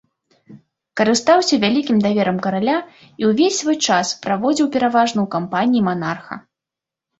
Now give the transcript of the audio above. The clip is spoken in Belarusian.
Карыстаўся вялікім даверам караля і ўвесь свой час праводзіў пераважна ў кампаніі манарха.